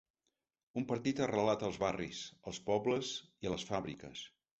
Un partit arrelat als barris, als pobles i a les fàbriques.